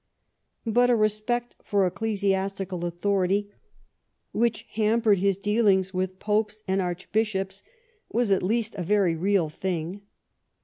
But a respect for ecclesiastical authority, which hampered his dealings with popes and archbishops, was at least a very real thing.